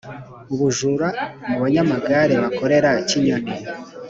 Ubujura mubanyamagare bakorera cyinyoni